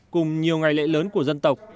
cùng nhiều ngày lễ lớn của dân tộc